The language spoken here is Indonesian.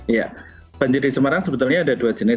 iya banjir di semarang sebetulnya ada dua jenis